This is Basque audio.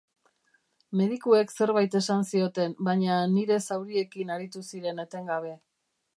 Medikuek zerbait esan zioten, baina nire zauriekin aritu ziren etengabe.